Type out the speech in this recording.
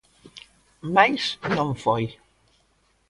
Mais non foi.